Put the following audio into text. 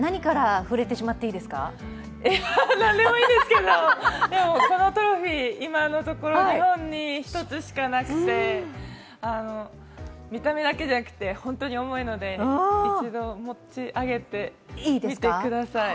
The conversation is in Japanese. えっ、何でもいいですけどでも、このトロフィー、今のところ日本に１つしかなくて、見た目だけじゃなくて、本当に重いので、一度持ち上げてみてください。